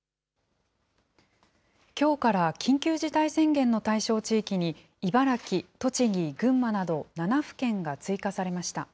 きょうから緊急事態宣言の対象地域に茨城、栃木、群馬など７府県が追加されました。